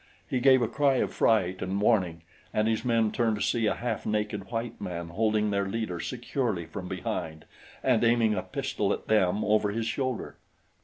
He gave a cry of fright and warning, and his men turned to see a half naked white man holding their leader securely from behind and aiming a pistol at them over his shoulder.